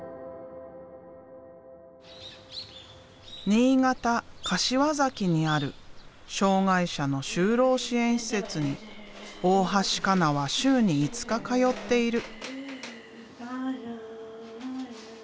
新潟・柏崎にある障害者の就労支援施設に大橋加奈は週に５日通っている。